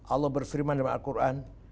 allah berfirman dalam al qur'an